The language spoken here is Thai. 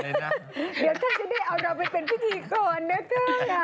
เดี๋ยวช่าจะได้เอาเราไปเป็นพิธีก่อนนะครับ